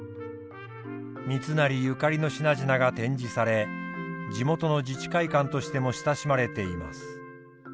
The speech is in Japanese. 三成ゆかりの品々が展示され地元の自治会館としても親しまれています。